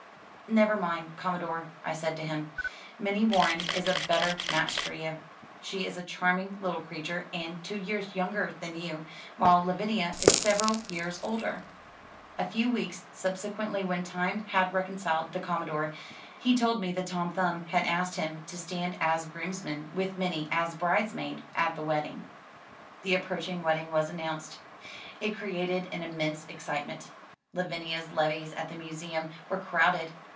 "Never mind. Commodore," I said to him, "Minnie Warren is a better match for you; she is a charming little creature and two years younger than you, while Lavinia is several years older." A few weeks subsequently when time had reconciled the Commodore, he told me that Tom Thumb had asked him to stand as groomsman with Minnie as bridesmaid at the wedding. i8o THE TREASURE CHEST The approaching wedding was announced. It created an immense excitement. Lavinia's levees at the museum were crowded.